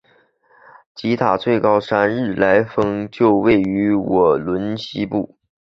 吉打最高山日莱峰就位于莪仑西部。